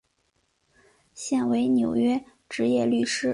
现为纽约执业律师。